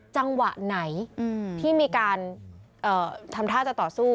จังหวะไหนที่มีการทำท่าจะต่อสู้